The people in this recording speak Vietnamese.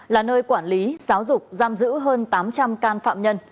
là nơi quản lý giáo dục giam giữ hơn tám trăm linh can phạm nhân